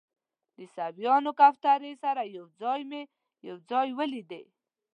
د عیسویانو کوارټر سره یو ځای مې یو ځای ولیدل.